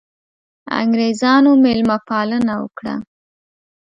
انګرېزانو مېلمه پالنه وکړه.